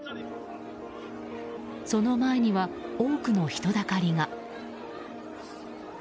その前には多くの人だかりが。